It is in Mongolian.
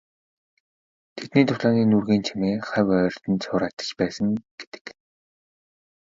Тэдний тулааны нүргээн чимээ хавь ойрд нь цуурайтаж байсан гэдэг.